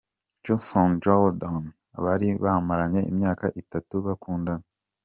Jason na Jordin bari bamaranye imyaka itatu bakundana.